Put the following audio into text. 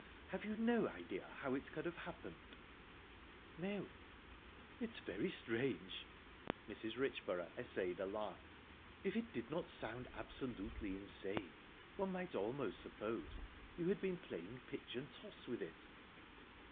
Have you no idea how it could have happened?" "No." "It's very, very strange." Mrs. Richborough essayed a laugh. "If it did not sound absolutely insane, one might almost suppose you had been playing pitch and toss with it."